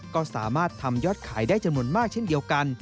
ก็สามารถทำยอดขายได้จำนวนมากเช่นเดียวกัน